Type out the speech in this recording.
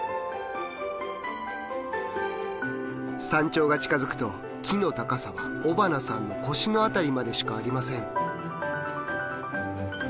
山頂が近づくと木の高さは尾花さんの腰の辺りまでしかありません。